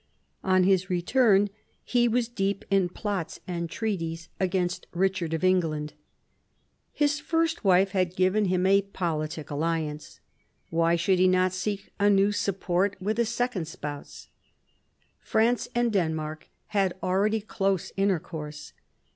On his return he was deep in plots and treaties against Richard 160 PHILIP AUGUSTUS chap. of England. His first wife had given him a politic alliance. Why should he not seek a new support with a second spouse 1 France and Denmark had already close intercourse.